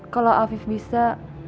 kalau afif bisa